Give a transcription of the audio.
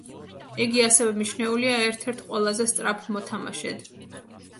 იგი ასევე მიჩნეულია ერთ-ერთ ყველაზე სწრაფ მოთამაშედ.